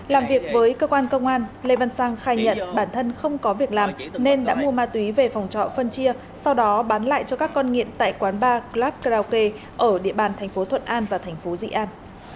làm việc với cơ quan công an lê văn sang khai nhận bản thân không có việc làm nên đã mua ma túy về phòng trọ phân chia sau đó bán lại cho các con nghiện tại quán bar club krake ở địa bàn thành phố thuận an và thành phố dị an